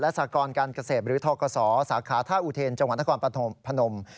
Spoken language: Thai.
สากรการเกษตรหรือทกศสาขาท่าอุเทนจังหวัดนครพนม